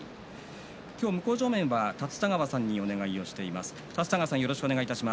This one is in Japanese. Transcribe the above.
今日の向正面は立田川さんにお願いしています。